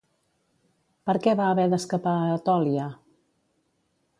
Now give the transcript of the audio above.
Per què va haver d'escapar a Etòlia?